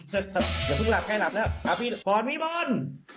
เดี๋ยวพึ่งหลับใกล้หลับแล้วพรวิมนต์